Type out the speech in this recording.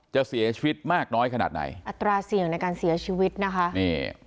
จะเสียชีวิตมากน้อยขนาดไหนอัตราเสี่ยงในการเสียชีวิตนะคะนี่